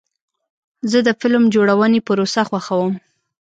زه د فلم جوړونې پروسه خوښوم.